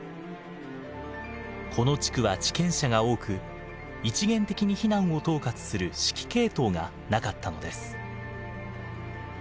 この地区は地権者が多く一元的に避難を統括する指揮系統がなかったのです。